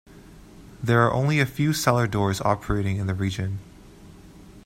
There are only a few cellar doors operating in the region.